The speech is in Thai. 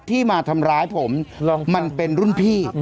ที่มาทำร้ายผมมันเป็นรุ่นพี่